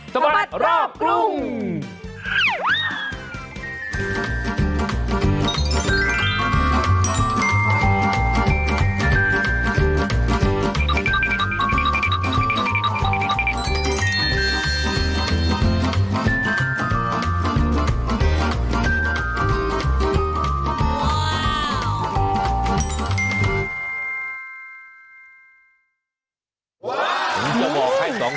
สมัครรอบกรุง